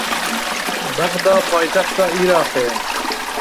Bexda paytexta Iraqê ye.